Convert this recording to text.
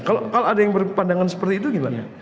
kalau ada yang berpandangan seperti itu gimana